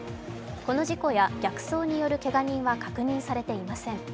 この事故や逆走によるけが人は確認されていません。